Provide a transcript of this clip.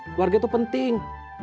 keluarga itu penting